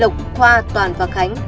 lộc khoa toàn và khánh